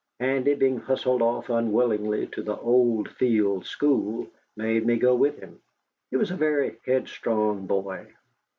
Andy, being hustled off unwillingly to the "Old Field" school, made me go with him. He was a very headstrong boy.